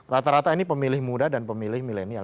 rata rata ini pemilih muda dan pemilih milenial